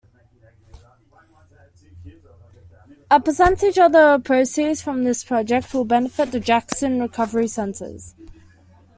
A percentage of the proceeds from this project will benefit the Jackson Recovery Centers.